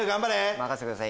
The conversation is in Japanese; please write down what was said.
任せてください。